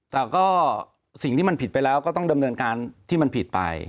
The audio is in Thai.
แต่ก็สิ่งที่มันผิดไปแล้วก็ต้องดำเนินการที่มันผิดไป